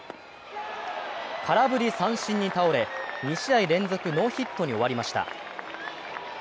空振り三振に倒れ、２試合連続ノーヒットに終わりました。